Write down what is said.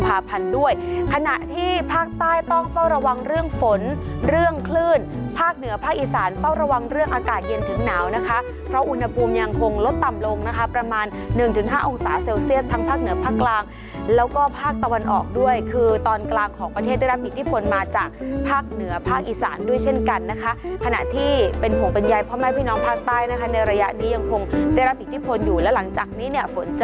อากาศเย็นถึงหนาวนะคะเพราะอุณหภูมิยังคงลดต่ำลงนะคะประมาณ๑๕องศาเซลเซียสทั้งภาคเหนือภาคกลางแล้วก็ภาคตะวันออกด้วยคือตอนกลางของประเทศได้รับอิทธิพลมาจากภาคเหนือภาคอีสานด้วยเช่นกันนะคะขณะที่เป็นห่วงตนใยเพราะแม่พี่น้องภาคใต้นะคะในระยะนี้ยังคงได้รับอิทธิพลอยู่แล